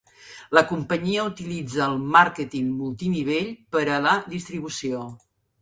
La companyia utilitza el màrqueting multi-nivell per a la distribució.